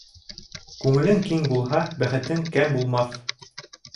Күңелең киң булһа, бәхетең кәм булмаҫ.